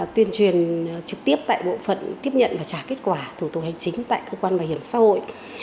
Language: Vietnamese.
tuyên truyền trực tiếp tại bộ phận tiếp nhận và trả kết quả thủ tục hành chính tại cơ quan bảo hiểm xã hội